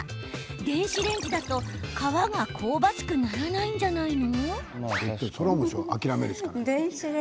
電子レンジだと皮が香ばしくならないんじゃないの？